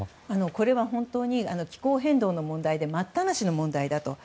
これは本当に気候変動の問題で待ったなしの問題だと。